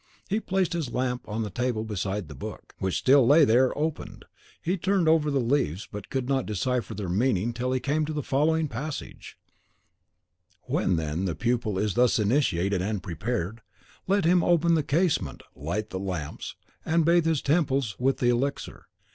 He placed his lamp on the table beside the book, which still lay there opened; he turned over the leaves, but could not decipher their meaning till he came to the following passage: "When, then, the pupil is thus initiated and prepared, let him open the casement, light the lamps, and bathe his temples with the elixir.